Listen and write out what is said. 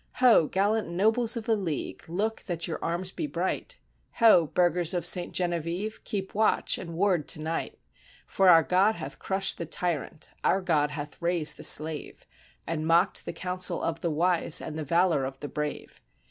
Ho! gallant nobles of the League, look that your arms be bright ! Ho ! burghers of St. Genevieve, keep watch and ward to night ! For our God hath crushed the tyrant, our God hath raised the slave, And mocked the counsel of the wise and the valor of the brave.